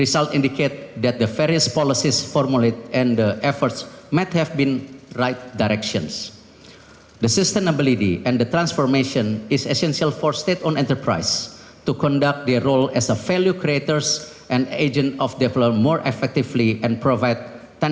sejak tahun dua ribu sembilan belas bumn menerima kekuatan yang sangat baik layaknya perusahaan swasta